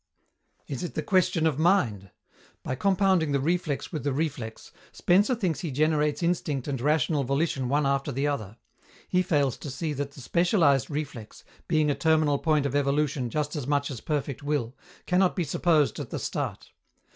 Is it the question of mind? By compounding the reflex with the reflex, Spencer thinks he generates instinct and rational volition one after the other. He fails to see that the specialized reflex, being a terminal point of evolution just as much as perfect will, cannot be supposed at the start.